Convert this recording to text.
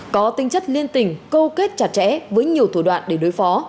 có tinh chất liên tình câu kết chặt chẽ với nhiều thủ đoạn để đối phó